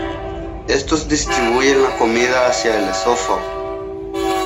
Estos distribuyen la comida hacia el esófago.